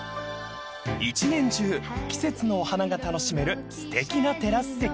［一年中季節のお花が楽しめるすてきなテラス席］